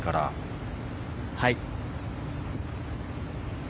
はい。